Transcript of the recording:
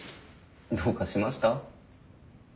どうかしました？